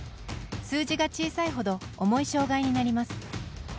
数字が小さいほど重い障がいになります。